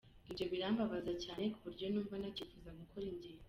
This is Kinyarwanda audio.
Ibyo birambabaza cyane ku buryo numva ntacyifuza gukora ingendo.